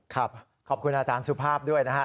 ครับขอบคุณอาจารย์สุภาพด้วยนะครับ